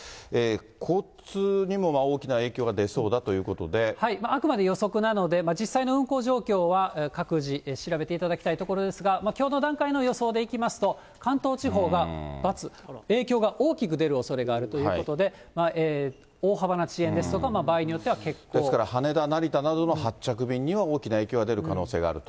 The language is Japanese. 交通にも大きな影響が出そうだといあくまで予測なので、実際の運航状況は各自調べていただきたいところですが、きょうの段階の予想でいきますと、関東地方が×、影響が大きく出るおそれがあるということで、大幅な遅延ですとか、ですから羽田、成田などの発着便には大きな影響が出る可能性があると。